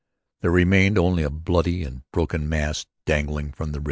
There remained only a bloody and broken mass dangling from the wrist.